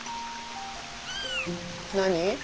何？